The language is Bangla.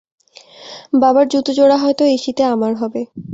বাবার জুতো জোড়া হয়ত এই শীতে আমার হবে।